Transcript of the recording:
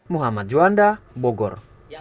muhammad juanda bogor